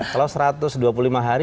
kalau lebih dari seratus hari